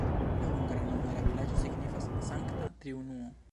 La hungara nomo de la vilaĝo signifas Sankta Triunuo.